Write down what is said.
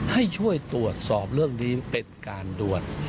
ให้ช่วยตรวจสอบเรื่องนี้เป็นการด่วน